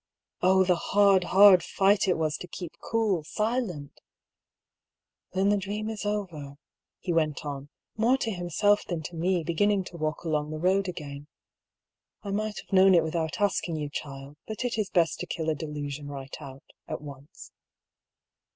Oh, the hard, hard fight it was to keep cool, silent !" Then the dream is over," he went on, more to himself than to me, beginning to walk along the road again. " I might have known it without asking you, child ; but it is best to kill a delusion right out, at once."